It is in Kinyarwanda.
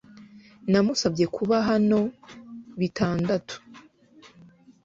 Namusabye kuba hano bitandatu